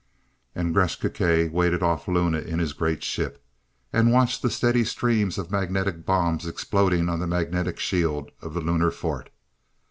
And Gresth Gkae waited off Luna in his great ship, and watched the steady streams of magnetic bombs exploding on the magnetic shield of the Lunar Fort.